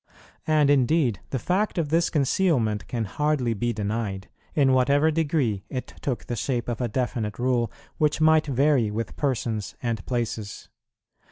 And indeed the fact of this concealment can hardly be denied, in whatever degree it took the shape of a definite rule, which might vary with persons and places.